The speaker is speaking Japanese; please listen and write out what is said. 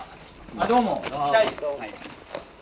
あどうも。